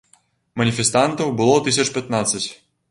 Маніфестантаў было тысяч пятнаццаць.